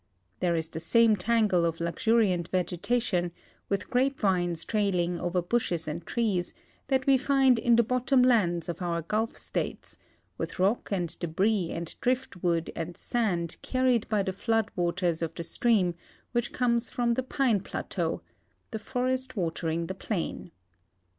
There is the same tangle of luxuriant vegetation, with grapevines trailing over bushes and trees, that we find in the bottom lands of our Gulf states, with rock and debris and driftwood and sand carried b}^ the flood waters of the stream which comes from the pine plateau — the forest watering the plain.